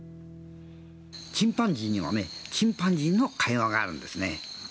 チンパンジーにはねチンパンジーの会話があるんですね。